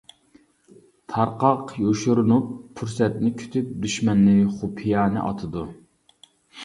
تارقاق يوشۇرۇنۇپ، پۇرسەتنى كۈتۈپ دۈشمەننى خۇپىيانە ئاتىدۇ.